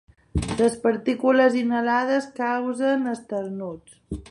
Les partícules inhalades causen esternuts.